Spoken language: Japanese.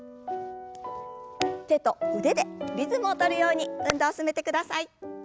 手と腕でリズムを取るように運動を進めてください。